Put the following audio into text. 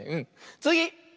つぎ！